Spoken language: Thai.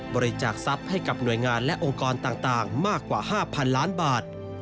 บริจาคทรัพย์ให้กับหน่วยงานและองค์กรต่างมากกว่า๕๐๐๐ล้านบาท